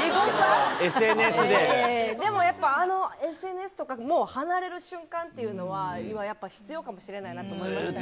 でもやっぱ、あのＳＮＳとか、もう離れる瞬間っていうのは、今やっぱり、必要かもしれないなって思いました。